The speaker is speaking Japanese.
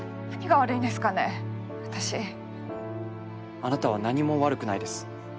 あなたは何も悪くないです。